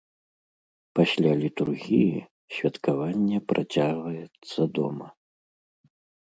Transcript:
Пасля літургіі святкаванне працягваецца дома.